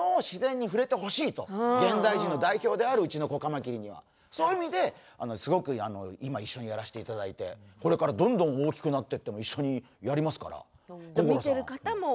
自然に触れてほしいと現代人の、代表であるうちの子カマキリにはそういう意味で今一緒にやらせていただいてこれからどんどん大きくなって一緒にやりますから。